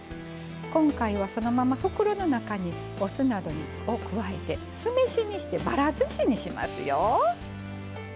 今回は、そのまま袋の中にお酢などを加えて酢飯にして、ばらずしにしますよ。